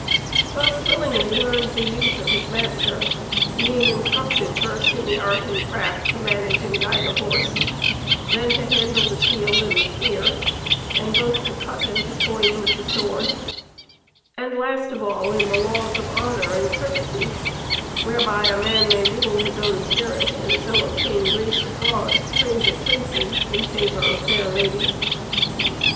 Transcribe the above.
Thus willingly learned the youth of his master; being instructed first in the art and craft to manage and guide a horse; then to handle the shield and the spear, and both to cut and to foin with the sword; and last of all in the laws of honour and courtesy, whereby a man may rule his own spirit and so obtain grace of God, praise of princes, and favour of fair ladies.